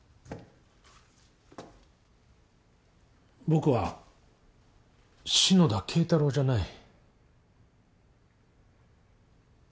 僕は篠田敬太郎じゃない。